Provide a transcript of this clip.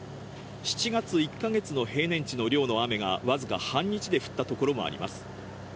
７月１か月の平年値の量の雨がわずか半日で降ったところもあります。